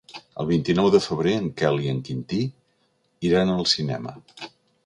El vint-i-nou de febrer en Quel i en Quintí iran al cinema.